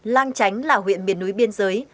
lang chánh là huyện miền núi biên giới